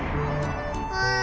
ああ